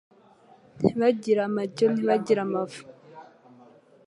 Ntibagira amajyo, ntibagira amavu.